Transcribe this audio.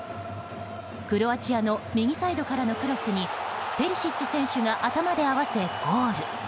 クロアチアの右サイドからのクロスにペリシッチ選手が頭で合わせゴール。